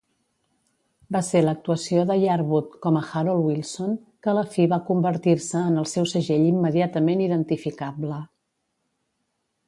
Va ser l'actuació de Yarwood com a Harold Wilson que a la fi va convertir-se en el seu segell immediatament identificable.